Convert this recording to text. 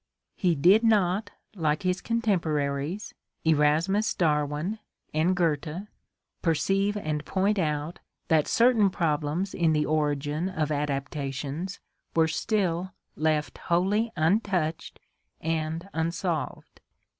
He did not, like his contemporaries, Erasmus Darwin and Goethe, perceive and point out, that certain problems in the origin of adaptations were still left wholly untouched and unsolved.